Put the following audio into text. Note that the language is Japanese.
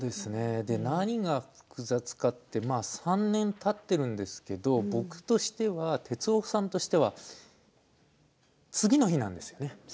何が複雑かって３年たっているんですけれども僕としては徹生さんとしては次の日なんですよね。